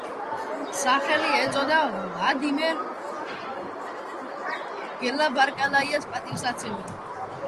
სახელი ეწოდა ვლადიმერ ობრუჩევის პატივსაცემად.